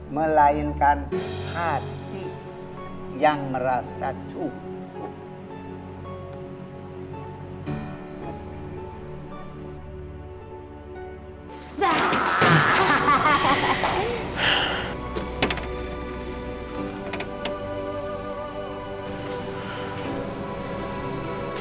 melainkan hati yang merasa cukup